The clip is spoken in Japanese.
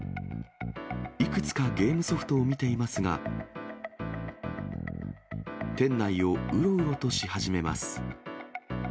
いくつかゲームソフトを見ていますが、店内をうろうろとし始めます。